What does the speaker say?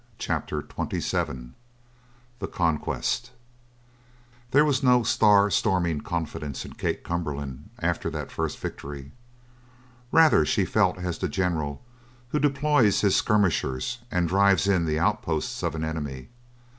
CHAPTER XXVII THE CONQUEST There was no star storming confidence in Kate Cumberland after that first victory. Rather she felt as the general who deploys his skirmishers and drives in the outposts of an enemy.